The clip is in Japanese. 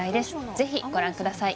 ぜひご覧ください